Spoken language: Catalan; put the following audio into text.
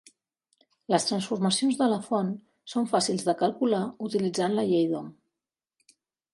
Les transformacions de la font són fàcils de calcular utilitzant la llei d'Ohm.